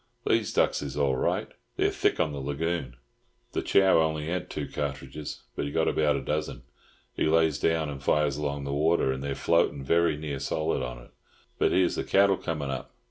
"These ducks is all right. They're thick on the lagoon. The Chow only had two cartridges, but he got about a dozen. He lays down and fires along the water, and they're floatin' very near solid on it. But here's the cattle comin' up."